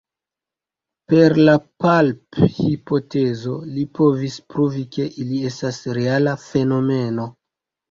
Per la palp-hipotezo li povis pruvi, ke ili estas reala fenomeno.